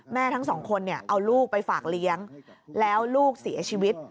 ทั้งสองคนเนี่ยเอาลูกไปฝากเลี้ยงแล้วลูกเสียชีวิต